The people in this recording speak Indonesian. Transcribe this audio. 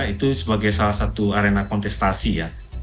itu sebagai salah satu arena kontestasi ya